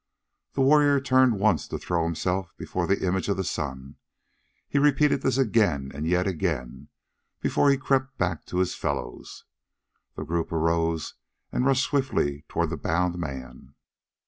The warrior turned once to throw himself before the image of the sun; he repeated this again and yet again before he crept back to his fellows. The group arose and rushed swiftly toward the bound man.